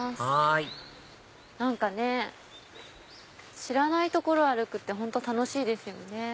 はい何かね知らない所歩くって本当楽しいですよね。